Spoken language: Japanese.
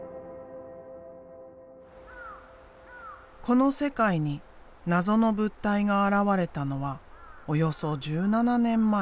この世界に謎の物体が現れたのはおよそ１７年前。